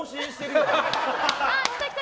来た来た！